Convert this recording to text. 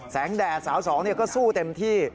แดดสาวสองก็สู้เต็มที่